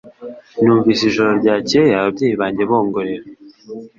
Numvise ijoro ryakeye ababyeyi banjye bongorera